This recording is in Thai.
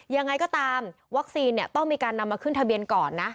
ยังไงก็ตามวัคซีนเนี่ยต้องมีการนำมาขึ้นทะเบียนก่อนนะ